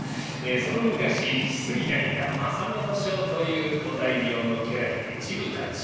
その昔杉平柾目正というお大名の家来で地武太治